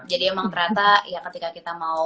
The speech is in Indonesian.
jadi emang ternyata ya ketika kita mau